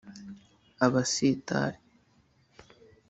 ‘Abasitari’